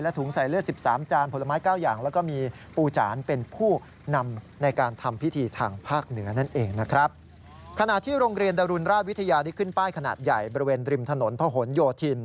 และถุงใส่เลือด๑๓จานผลไม้๙อย่าง